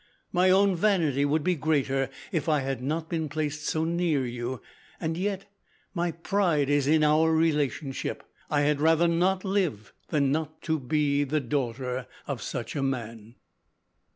My own vanity would be greater if I had not been placed so near you, and yet, my pride is in our relationship. I had rather not live than not to be the daughter of such a man."